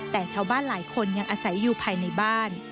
แต่ชาวบ้านหลายคนยังอาศัยอยู่ภายในบ้าน